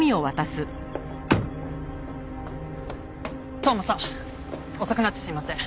当麻さん遅くなってすいません。